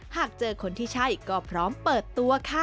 หากเจอคนที่ใช่ก็พร้อมเปิดตัวค่ะ